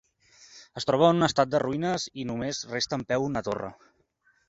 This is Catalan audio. Es troba en un estat de ruïnes i només resta en peu una torre.